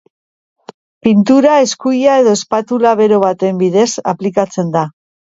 Pintura eskuila edo espatula bero baten bidez aplikatzen da.